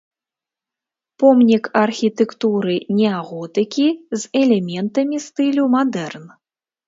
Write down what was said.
Помнік архітэктуры неаготыкі з элементамі стылю мадэрн.